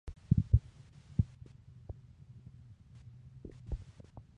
Tampoco sabemos dónde pudo ser enterrada ni el paradero de su momia.